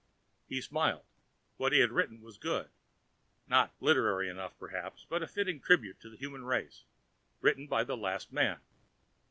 He smiled. What he had written was good. Not literary enough, perhaps, but a fitting tribute to the human race, written by the last man.